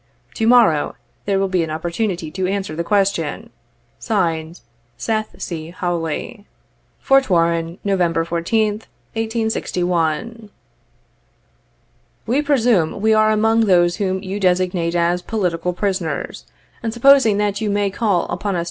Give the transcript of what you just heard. To morrow there will be an opportunity to answer the question. (Signed,) 'SETH C. HAWLEY. 'Fort Warren, November 1M, 1861.' " We presume we are among those whom you designate as "political prisoners," and supposing that you may call upon us.